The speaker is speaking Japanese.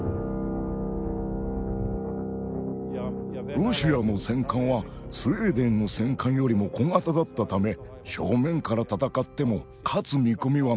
ロシアの戦艦はスウェーデンの戦艦よりも小型だったため正面から戦っても勝つ見込みはなかったのです。